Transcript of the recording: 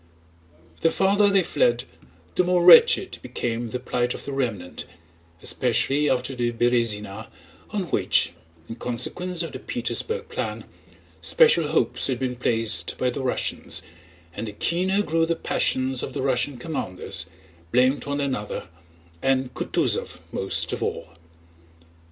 The farther they fled the more wretched became the plight of the remnant, especially after the Berëzina, on which (in consequence of the Petersburg plan) special hopes had been placed by the Russians, and the keener grew the passions of the Russian commanders, who blamed one another and Kutúzov most of all.